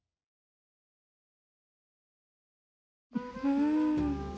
うん。